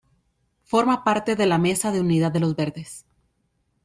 Forma parte de la Mesa de Unidad de Los Verdes.